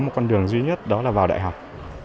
một con đường duy nhất đó là vào đại học